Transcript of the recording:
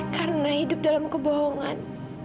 karena hidup dalam kebohongan